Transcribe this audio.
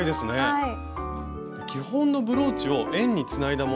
はい！